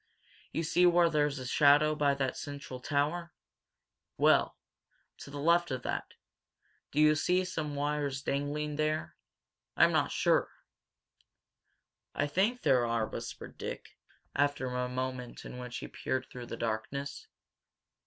You see where there's a shadow by that central tower? Well, to the left of that. Do you see some wires dangling there? I'm not sure." "I think there are," whispered Dick, after a moment in which he peered through the darkness.